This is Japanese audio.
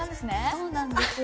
そうなんですよ。